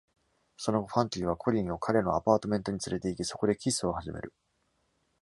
その後、ファンキーはコリーンを彼のアパートメントに連れて行き、そこでキスを始める。